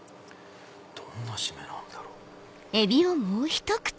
どんな締めなんだろう。